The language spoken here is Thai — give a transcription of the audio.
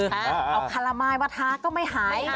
เอาขาลไมล์มาทาก็ไม่ไหาย